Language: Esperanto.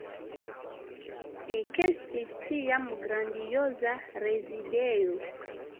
Ekestis tiam grandioza rezidejo.